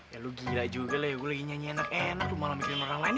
ya lu gila juga lah ya gue lagi nyanyi enak enak lu malah mikirin orang lain